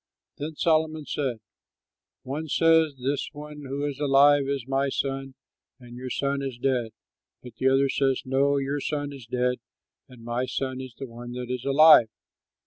Then Solomon said, "One says, 'This one who is alive is my son, and your son is dead.' But the other says, 'No; your son is dead, and my son is the one that is alive.'